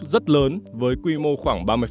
rất lớn với quy mô khoảng ba mươi